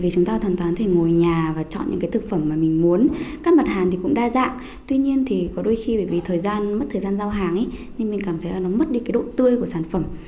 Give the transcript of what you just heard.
các mặt hàng cũng đa dạng tuy nhiên có đôi khi bởi vì mất thời gian giao hàng mình cảm thấy mất đi độ tươi của sản phẩm